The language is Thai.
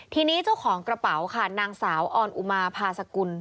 ทีนี้เจ้าของกระเป๋าค่ะนางสาวออนอุมาพาสกุล